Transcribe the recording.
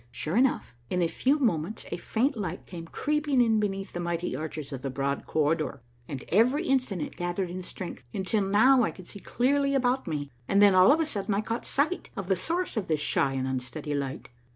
" Sure enough, in a few moments a faint light came creeping in beneath the mighty arches of the broad corridor, and every instant it gathered in strength until now I could see clearly about me, and then all of a sudden I caught sight of the source of this shy and unsteady light.